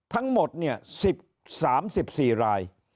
ทั้งหมดเนี่ย๑๐๓๔ราย